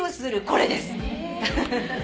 これです。